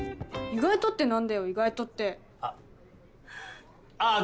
意外とってなんだよ意外とってあっあぁ